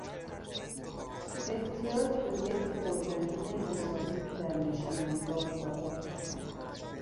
احتیاج به یک اردنگی حسابی در نشیمنگاه دارد!